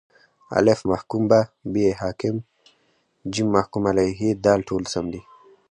الف: محکوم به ب: حاکم ج: محکوم علیه د: ټوله سم دي